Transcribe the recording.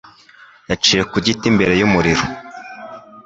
yicaye ku giti imbere y'umuriro.